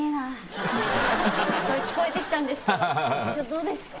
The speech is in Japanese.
どうですか？